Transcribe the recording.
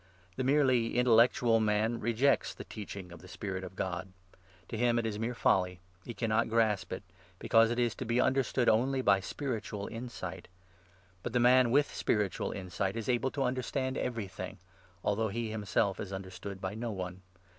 The merely intellectual man rejects the teaching of the Spirit 14 of God ; for to him it is mere folly ; he cannot grasp it, because it is to be understood only by spiritual insight. But the man with spiritual insight is able to understand 15 everything, although he himself is understood by no one.